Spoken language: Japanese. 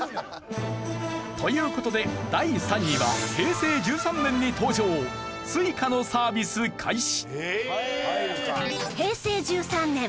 という事で第３位は平成１３年に登場Ｓｕｉｃａのサービス開始。